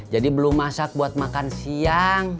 jadi belum masak buat makan siang